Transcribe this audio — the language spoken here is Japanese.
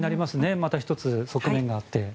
また１つ、側面があって。